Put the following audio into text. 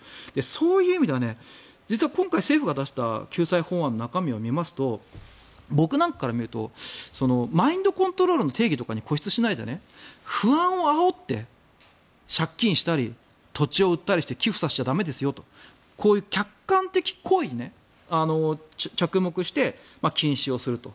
そういう意味では実は今回政府が出した救済法案の中身を見ますと僕なんかから見るとマインドコントロールの定義なんかに固執しないで不安をあおって借金したり土地を売ったりして寄付させちゃ駄目ですよとこういう客観的行為に着目して、禁止をすると。